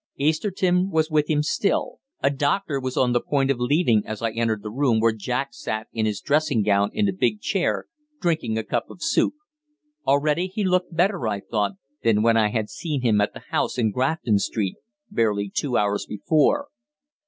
Easterton was with him still; a doctor was on the point of leaving as I entered the room where Jack sat in his dressing gown in a big chair, drinking a cup of soup. Already he looked better, I thought, than when I had seen him at the house in Grafton Street, barely two hours before.